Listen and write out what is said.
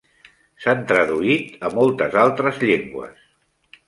S'han traduït a moltes altres llengües.